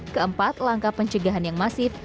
keempat langkah pencegahan yang masif